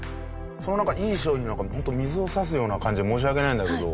そのなんかいい商品をホント水を差すような感じで申し訳ないんだけど。